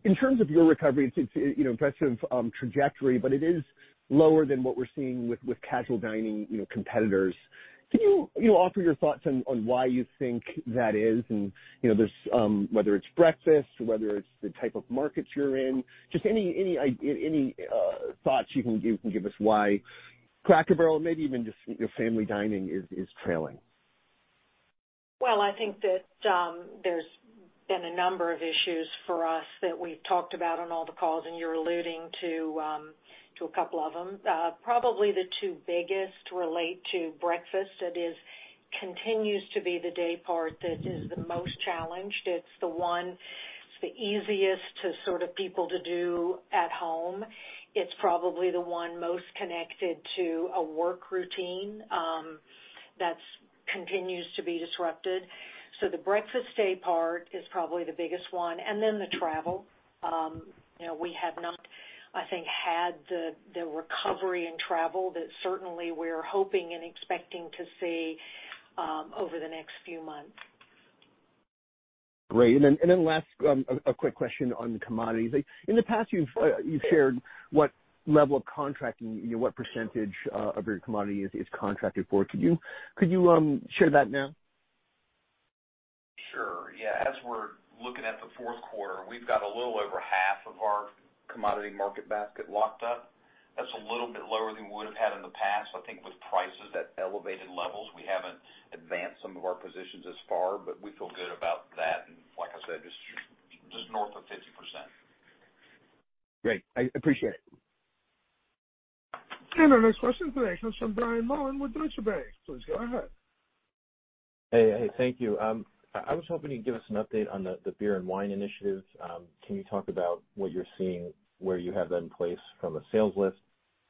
in terms of your recovery, in terms of trajectory, but it is lower than what we're seeing with casual dining competitors. Can you offer your thoughts on why you think that is, and whether it's breakfast or whether it's the type of markets you're in, just any thoughts you can give us why Cracker Barrel, maybe even just family dining is trailing? Well, I think that there's been a number of issues for us that we've talked about on all the calls, and you're alluding to a couple of them. Probably the two biggest relate to breakfast. It continues to be the day part that is the most challenged. It's the one, the easiest to sort of people to do at home. It's probably the one most connected to a work routine that continues to be disrupted. The breakfast day part is probably the biggest one, and then the travel. We have not, I think, had the recovery in travel that certainly we're hoping and expecting to see over the next few months. Great. Last, a quick question on commodities. In the past, you've shared what level of contracting, what percentage of your commodity is contracted forward for you. Could you share that now? Sure. Yeah. As we're looking at Q4, we've got a little over half of our commodity market basket locked up. That's a little bit lower than we would have had in the past. I think with prices at elevated levels, we haven't advanced some of our positions as far, but we feel good about that. Like I said, it's just north of 50%. Great. I appreciate it. Our next question today comes from Brian Mullan with Deutsche Bank. Please go ahead. Hey, thank you. I was hoping you'd give us an update on the beer and wine initiatives. Can you talk about what you're seeing, where you have that in place from a sales lift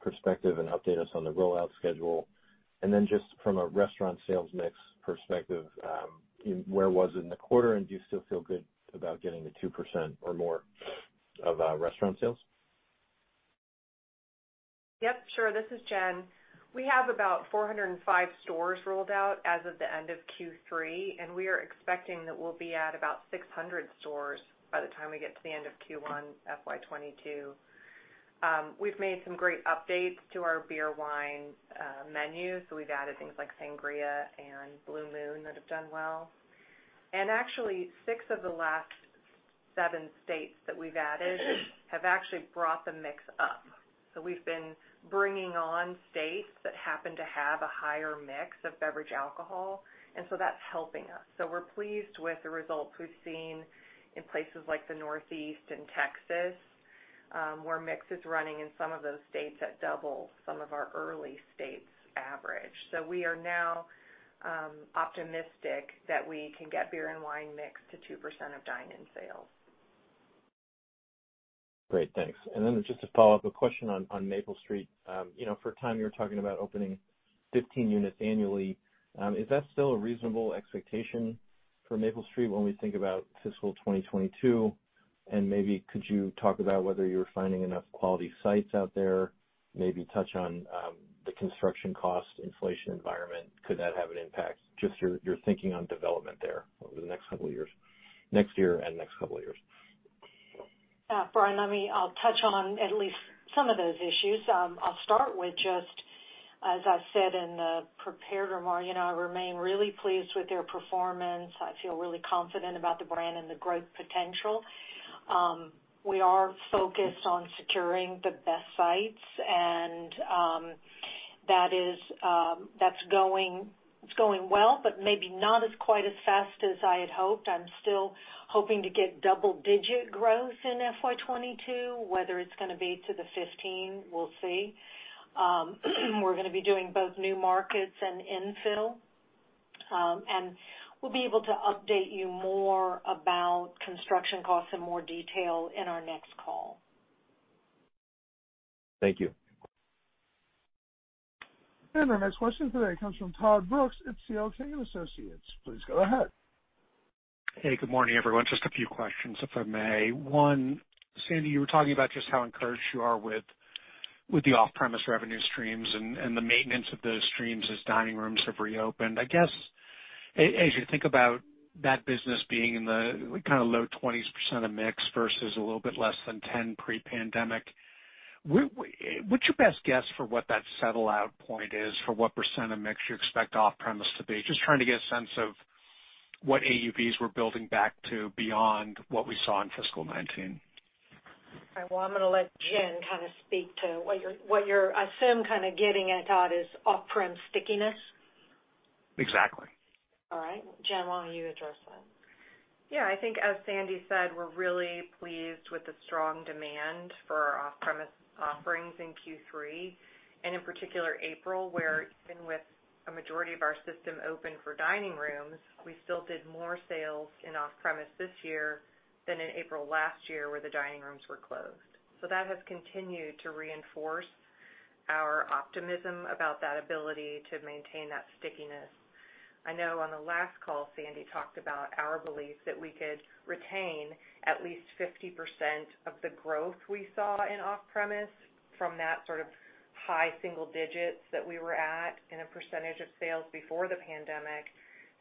perspective and update us on the rollout schedule? Then just from a restaurant sales mix perspective, where was it in the quarter, and do you still feel good about getting the 2% or more of restaurant sales? Yep, sure. This is Jen. We have about 405 stores rolled out as of the end of Q3. We are expecting that we'll be at about 600 stores by the time we get to the end of Q1 FY 2022. We've made some great updates to our beer and wine menu. We've added things like sangria and Blue Moon that have done well. Actually, six of the last seven states that we've added have actually brought the mix up. We've been bringing on states that happen to have a higher mix of beverage alcohol. That's helping us. We're pleased with the results we've seen in places like the Northeast and Texas. Where mix is running in some of those states at double some of our early states' average. We are now optimistic that we can get beer and wine mix to 2% of dine-in sales. Great. Thanks. Just to follow up, a question on Maple Street. For time, you were talking about opening 15 units annually. Is that still a reasonable expectation for Maple Street when we think about fiscal 2022? Maybe could you talk about whether you're finding enough quality sites out there, maybe touch on the construction cost inflation environment? Could that have an impact? Just your thinking on development there over the next year and next couple of years. Brian Mullan, I'll touch on at least some of those issues. I'll start with just, as I said in the prepared remarks, I remain really pleased with their performance. I feel really confident about the brand and the growth potential. We are focused on securing the best sites, and that's going well, but maybe not as quite as fast as I had hoped. I'm still hoping to get double-digit growth in FY 2022. Whether it's going to be to the 15, we'll see. We're going to be doing both new markets and infill. We'll be able to update you more about construction costs in more detail in our next call. Thank you. Our next question today comes from Todd Brooks at C.L. King Associates. Please go ahead. Hey, good morning, everyone. Just a few questions, if I may. One, Sandy, you were talking about just how encouraged you are with the off-premise revenue streams and the maintenance of those streams as dining rooms have reopened. I guess, as you think about that business being in the low 20% of mix versus a little bit less than 10% pre-pandemic, what's your best guess for what that settle out point is for what percent of mix you expect off-premise to be? Just trying to get a sense of what AUVs we're building back to beyond what we saw in FY 2019. Well, I'm going to let Jen speak to what you're, I assume, getting at, Todd, is off-prem stickiness. Exactly. All right. Jen, why don't you address that? Yeah, I think as Sandy said, we're really pleased with the strong demand for our off-premise offerings in Q3. In particular, April, where even with a majority of our system open for dining rooms, we still did more sales in off-premise this year than in April last year, where the dining rooms were closed. That has continued to reinforce our optimism about that ability to maintain that stickiness. I know on the last call, Sandy talked about our belief that we could retain at least 50% of the growth we saw in off-premise from that sort of high single digits that we were at in a percentage of sales before the pandemic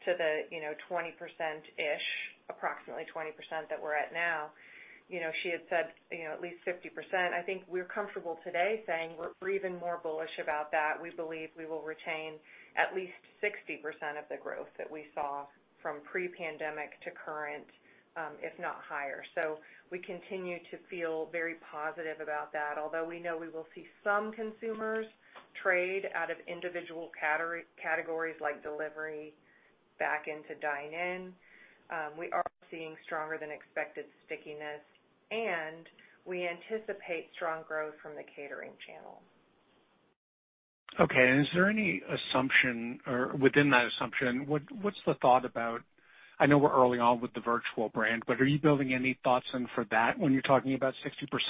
to the 20%-ish, approximately 20% that we're at now. She had said at least 50%. I think we're comfortable today saying we're even more bullish about that. We believe we will retain at least 60% of the growth that we saw from pre-pandemic to current, if not higher. We continue to feel very positive about that. Although we know we will see some consumers trade out of individual categories like delivery back into dine-in. We are seeing stronger than expected stickiness, and we anticipate strong growth from the catering channel. Okay. Within that assumption, what's the thought about, I know we're early on with the virtual brand, but are you building any thoughts in for that when you're talking about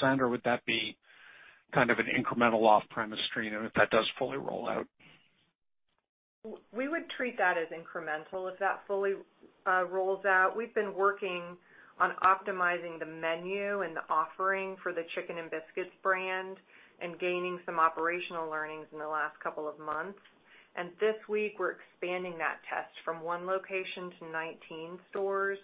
60%? Would that be an incremental off-premise stream if that does fully roll out? We would treat that as incremental if that fully rolls out. We've been working on optimizing the menu and the offering for the Chicken n' Biscuits brand and gaining some operational learnings in the last couple of months. This week, we're expanding that test from one location to 19 stores.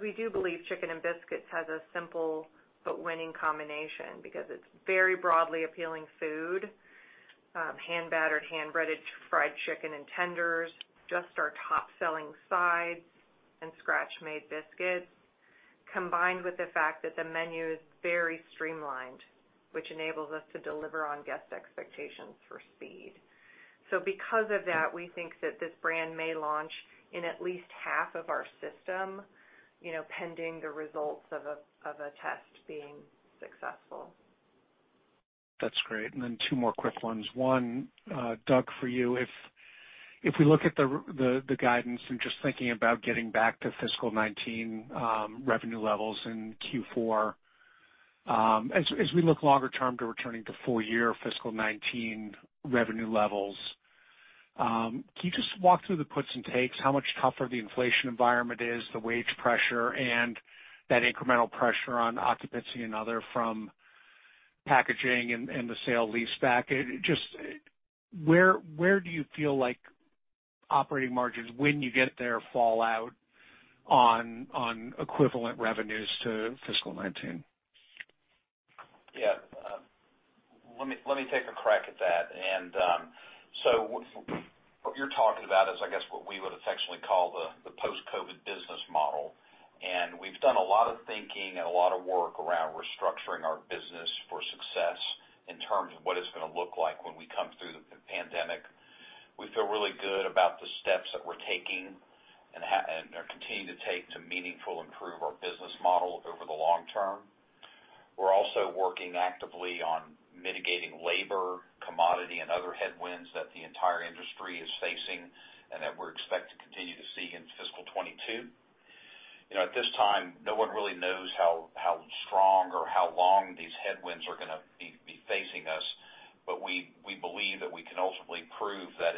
We do believe Chicken n' Biscuits has a simple but winning combination because it's very broadly appealing food. Hand battered, hand breaded fried chicken and tenders, just our top selling sides and scratch-made biscuits, combined with the fact that the menu is very streamlined, which enables us to deliver on guest expectations for speed. Because of that, we think that this brand may launch in at least half of our system, pending the results of a test being successful. That's great. Two more quick ones. One, Doug, for you, if we look at the guidance and just thinking about getting back to fiscal 2019 revenue levels in Q4. We look longer term to returning to full year fiscal 2019 revenue levels, can you just walk through the puts and takes, how much tougher the inflation environment is, the wage pressure, and that incremental pressure on occupancy and other from packaging and the sale-leaseback? Where do you feel like operating margins, when you get there, fall out on equivalent revenues to fiscal 2019? Yeah. Let me take a crack at that. What you're talking about is I guess what we would effectively call the post-COVID business model. We've done a lot of thinking and a lot of work around restructuring our business for success in terms of what it's going to look like when we come through the pandemic. We feel really good about the steps that we're taking and are continuing to take to meaningfully improve our business model over the long term. We're also working actively on mitigating labor, commodity, and other headwinds that the entire industry is facing and that we expect to continue to see in FY 2022. At this time, no one really knows how strong or how long these headwinds are going to be facing us. We believe that we can ultimately prove that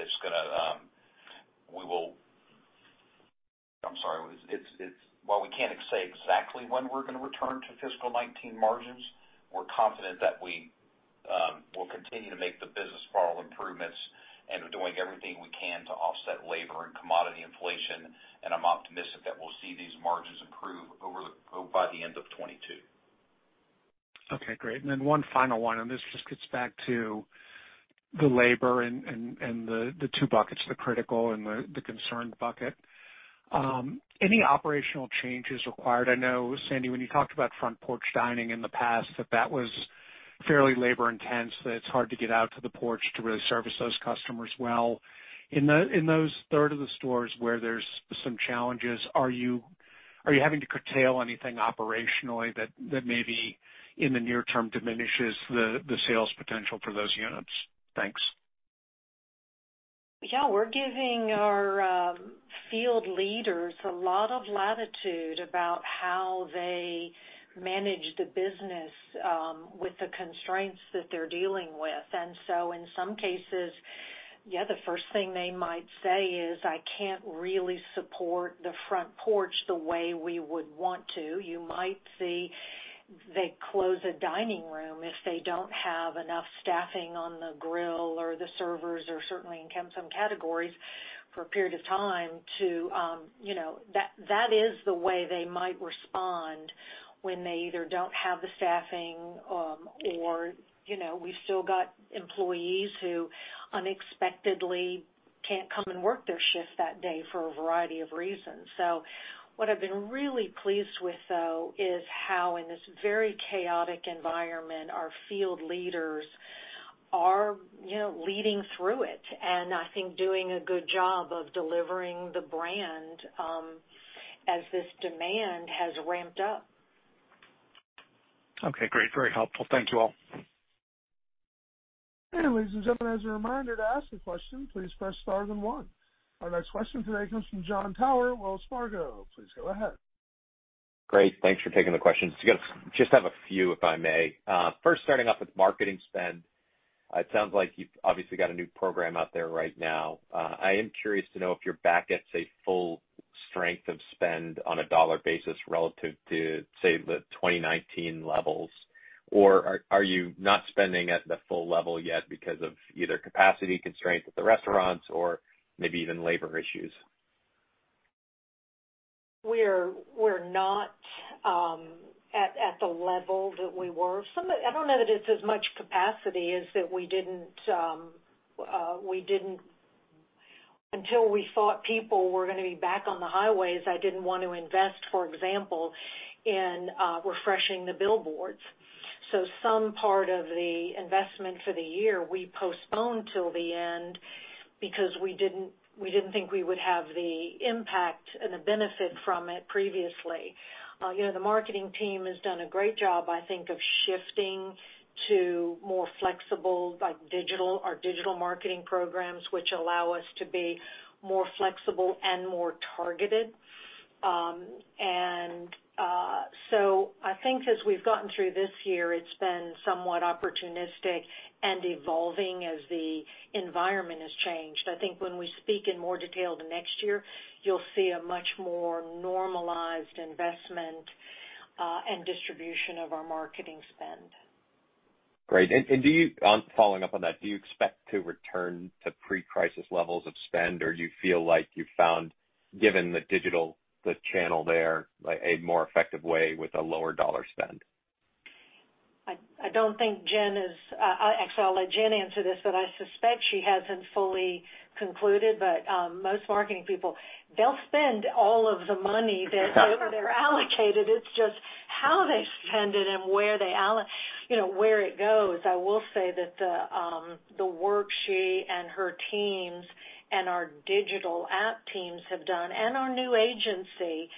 while we can't say exactly when we're going to return to FY 2019 margins, we're confident that we will continue to make the business model improvements, we're doing everything we can to offset labor and commodity inflation. I'm optimistic that we'll see these margins improve by the end of 2022. Okay, great. Then one final one, and this just gets back to the labor and the two buckets, the critical and the concerned bucket. Any operational changes required? I know, Sandy, when you talked about front porch dining in the past, that was fairly labor intense, that it's hard to get out to the porch to really service those customers well. In those third of the stores where there's some challenges, are you having to curtail anything operationally that maybe in the near term diminishes the sales potential for those units? Thanks. Yeah, we're giving our field leaders a lot of latitude about how they manage the business with the constraints that they're dealing with. In some cases, yeah, the first thing they might say is, I can't really support the front porch the way we would want to. You might see they close a dining room if they don't have enough staffing on the grill or the servers or certainly in some categories for a period of time. That is the way they might respond when they either don't have the staffing or we still got employees who unexpectedly can't come and work their shift that day for a variety of reasons. What I've been really pleased with, though, is how in this very chaotic environment, our field leaders are leading through it and I think doing a good job of delivering the brand as this demand has ramped up. Okay, great. Very helpful. Thank you all. Ladies and gentlemen, as a reminder, to ask a question, please press star then one. Our next question today comes from Jon Tower, Wells Fargo. Please go ahead. Great. Thanks for taking the question. Just have a few, if I may. First starting off with marketing spend. It sounds like you've obviously got a new program out there right now. I am curious to know if you're back at, say, full strength of spend on a dollar basis relative to, say, the 2019 levels, or are you not spending at the full level yet because of either capacity constraints at the restaurants or maybe even labor issues? We're not at the level that we were. I don't know that it's as much capacity as until we thought people were going to be back on the highways, I didn't want to invest, for example, in refreshing the billboards. Some part of the investments for the year we postponed till the end because we didn't think we would have the impact and the benefit from it previously. The marketing team has done a great job, I think, of shifting to more flexible, like our digital marketing programs, which allow us to be more flexible and more targeted. I think as we've gotten through this year, it's been somewhat opportunistic and evolving as the environment has changed. I think when we speak in more detail next year, you'll see a much more normalized investment and distribution of our marketing spend. Great. Following up on that, do you expect to return to pre-crisis levels of spend, or do you feel like you found, given the digital channel there, a more effective way with a lower dollar spend? I don't think Jen. I'll let Jen answer this, but I suspect she hasn't fully concluded, but most marketing people, they'll spend all of the money they're allocated. It's just how they spend it and where it goes. I will say that the work she and her teams and our digital app teams have done, and our new agency,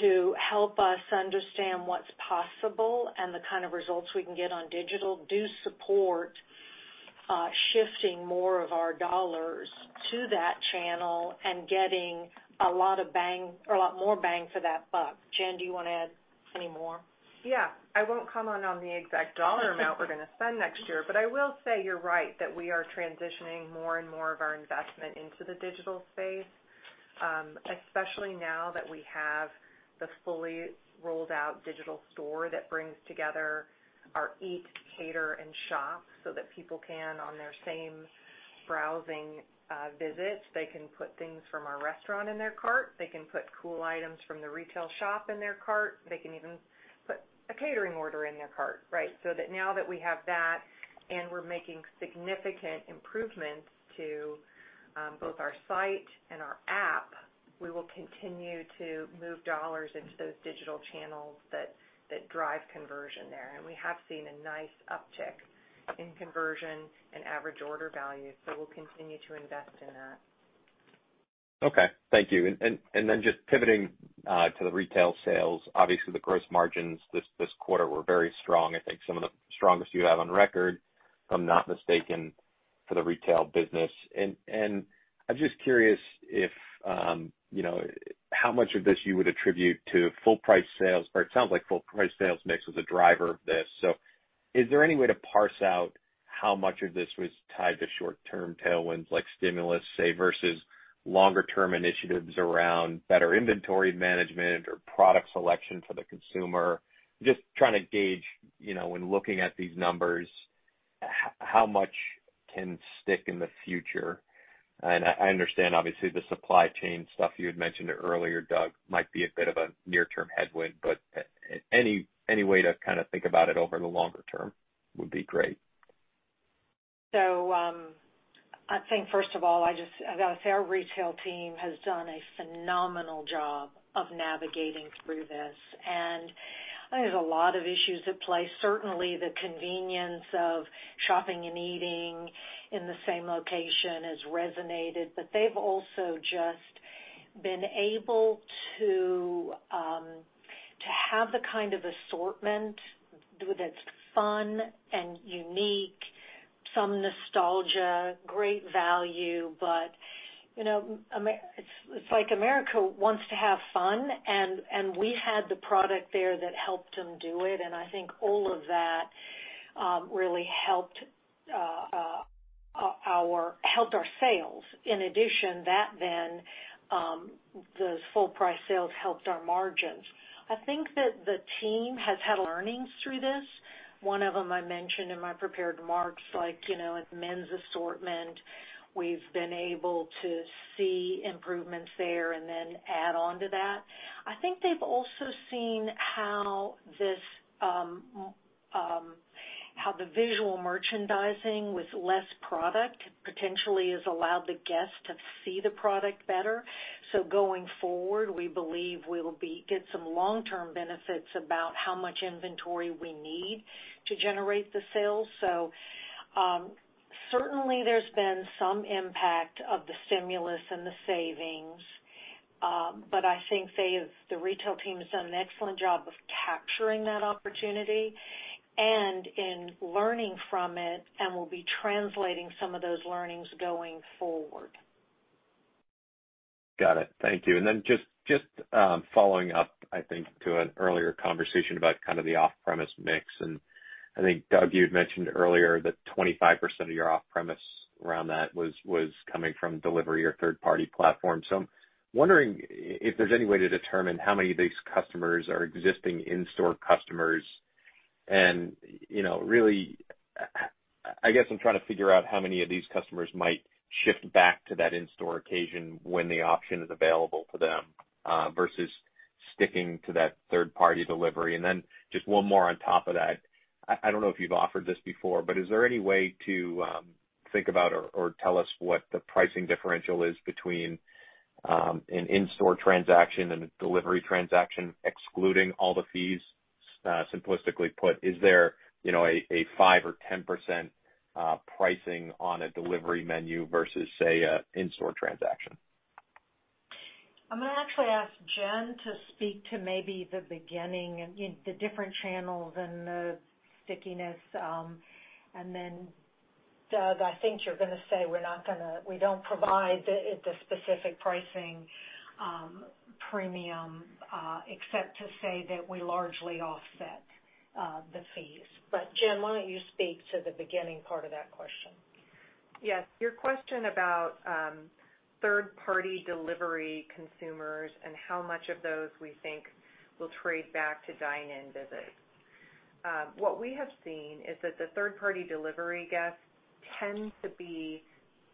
to help us understand what's possible and the kind of results we can get on digital do support shifting more of our $ to that channel and getting a lot more bang for that buck. Jen, do you want to add any more? Yeah. I won't comment on the exact dollar amount we're going to spend next year, but I will say you're right that we are transitioning more and more of our investment into the digital space, especially now that we have the fully rolled-out digital store that brings together our Eat, Cater, and Shop so that people can, on their same browsing visits, they can put things from our restaurant in their cart. They can put cool items from the retail shop in their cart. They can even put a catering order in their cart, right? Now that we have that and we're making significant improvements to both our site and our app We will continue to move dollars into those digital channels that drive conversion there. We have seen a nice uptick in conversions and average order value. We'll continue to invest in that. Okay. Thank you. Just pivoting to the retail sales. Obviously, the gross margins this quarter were very strong. I think some of the strongest you have on record, if I'm not mistaken, for the retail business. I'm just curious how much of this you would attribute to full price sales. It sounds like full price sales mix is a driver of this. Is there any way to parse out how much of this was tied to short-term tailwinds like stimulus, say, versus longer term initiatives around better inventory management or product selection for the consumer? Just trying to gauge, when looking at these numbers, how much can stick in the future. I understand, obviously, the supply chain stuff you had mentioned earlier, Doug, might be a bit of a near-term headwind, but any way to think about it over the longer term would be great. I think first of all, our retail team has done a phenomenal job of navigating through this, and there's a lot of issues at play. Certainly, the convenience of shopping and eating in the same location has resonated, but they've also just been able to have the kind of assortment that's fun and unique, some nostalgia, great value. It's like America wants to have fun, and we had the product there that helped them do it. I think all of that really helped our sales. In addition, the full price sales helped our margins. I think that the team has had learnings through this. One of them I mentioned in my prepared remarks, like with men's assortment, we've been able to see improvements there and then add onto that. I think they've also seen how the visual merchandising with less product potentially has allowed the guest to see the product better. Going forward, we believe we'll get some long-term benefits about how much inventory we need to generate the sales. Certainly there's been some impact of the stimulus and the savings. I think, Dave, the retail team has done an excellent job of capturing that opportunity and in learning from it and will be translating some of those learnings going forward. Got it. Thank you. Just following up, I think, to an earlier conversation about the off-premise mix, I think, Doug, you had mentioned earlier that 25% of your off-premise around that was coming from delivery or third-party platforms. I'm wondering if there's any way to determine how many of these customers are existing in-store customers. I guess I'm trying to figure out how many of these customers might shift back to that in-store occasion when the option is available to them versus sticking to that third-party delivery. Just one more on top of that. I don't know if you've offered this before, but is there any way to think about or tell us what the pricing differential is between an in-store transaction and a delivery transaction, excluding all the fees? Simplistically put, is there a five% or 10% pricing on a delivery menu versus, say, an in-store transaction? I'm going to actually ask Jen to speak to maybe the beginning of the different channels and the stickiness. Then, Doug, I think you're going to say we don't provide the specific pricing premium, except to say that we largely offset the fees. Jen, why don't you speak to the beginning part of that question? Yes. Your question about third-party delivery consumers and how much of those we think will trade back to dine-in visits. What we have seen is that the third-party delivery guests tend to be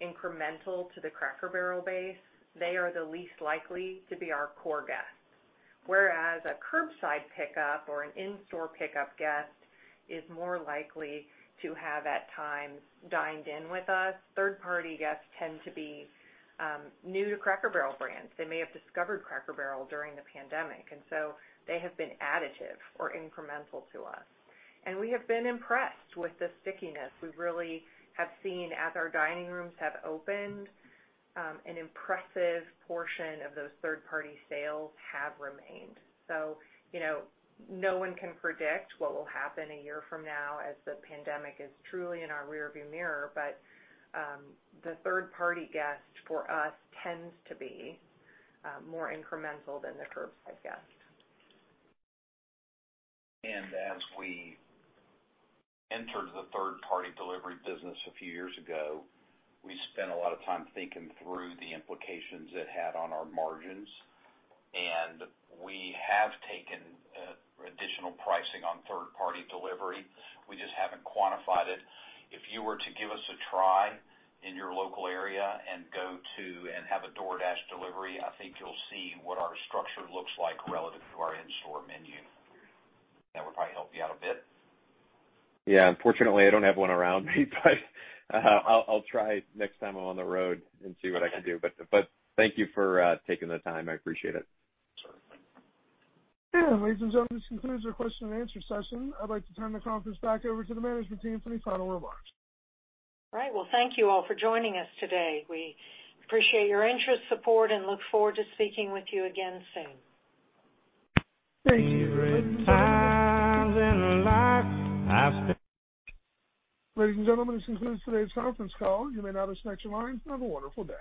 incremental to the Cracker Barrel base. They are the least likely to be our core guests. Whereas a curbside pickup or an in-store pickup guest is more likely to have at times dined in with us. Third-party guests tend to be new to Cracker Barrel brands. They may have discovered Cracker Barrel during the pandemic, they have been additive or incremental to us. We have been impressed with the stickiness. We really have seen as our dining rooms have opened, an impressive portion of those third-party sales have remained. No one can predict what will happen a year from now as the pandemic is truly in our rearview mirror. The third-party guest for us tends to be more incremental than the curbside guest. As we entered the third-party delivery business a few years ago, we spent a lot of time thinking through the implications it had on our margins, and we have taken additional pricing on third-party delivery. We just haven't quantified it. If you were to give us a try in your local area and go to and have a DoorDash delivery, I think you'll see what our structure looks like relative to our in-store menu. That would probably help you out a bit. Yeah. Unfortunately, I don't have one around me, but I'll try next time I'm on the road and see what I can do. Thank you for taking the time. I appreciate it. Sure thing. Ladies and gentlemen, this concludes our question-and-answer session. I'd like to turn the conference back over to the management team for any final remarks. All right. Well, thank you all for joining us today. We appreciate your interest, support, and look forward to speaking with you again soon. There are times in life. Ladies and gentlemen, this concludes today's conference call. You may now disconnect your lines. Have a wonderful day.